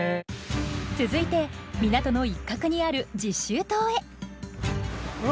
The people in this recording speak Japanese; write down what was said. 続いて港の一角にある実習棟へ。